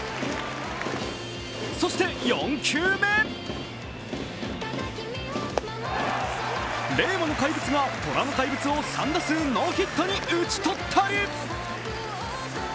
そして、４球目令和の怪物がトラの怪物を３打数ノーヒットに討ち取ったり。